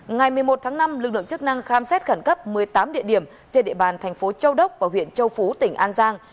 ngày một mươi một tháng năm lực lượng chức năng khám xét khẩn cấp một mươi tám địa điểm trên địa bàn thành phố châu đốc và huyện châu phú tỉnh an giang